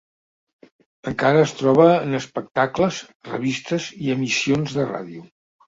Encara es troba en espectacles, revistes i emissions de ràdio.